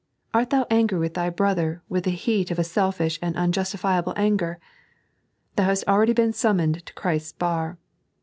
Art thou angry with thy brother with the heat of a selfish and unjustifiable anger? Thou hast already been sum moned to Christ's bar